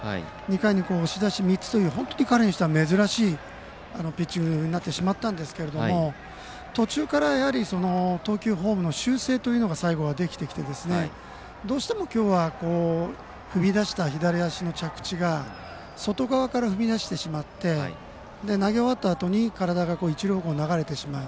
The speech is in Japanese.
２回に押し出し３という彼には珍しいピッチングになってしまったんですけど途中から投球フォームの修正というのが最後はできてきてどうしても今日は踏み出した左足の着地が外側から踏み出してしまって投げ終わったあとに体が一方向に流れてしまう。